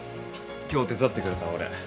今日手伝ってくれたお礼。